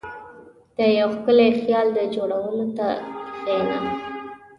• د یو ښکلي خیال د جوړولو ته کښېنه.